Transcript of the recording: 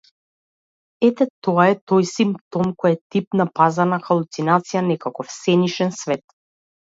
Ете тоа е тој симптом кој е тип на пазарна халуцинација, некаков сенишен свет.